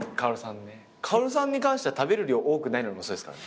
薫さんに関しては食べる量多くないのに遅いですからね。